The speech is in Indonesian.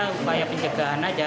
kebaya penjagaan aja